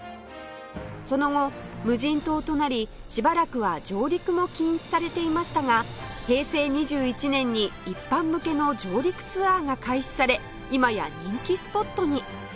その後無人島となりしばらくは上陸も禁止されていましたが平成２１年に一般向けの上陸ツアーが開始され今や人気スポットに